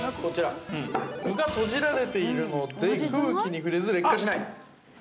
◆具が閉じられているので、空気に触れず劣化しない。